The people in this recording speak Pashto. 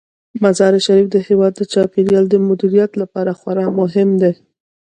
مزارشریف د هیواد د چاپیریال د مدیریت لپاره خورا مهم دی.